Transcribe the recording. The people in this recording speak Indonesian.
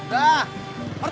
eh jet dah semuloh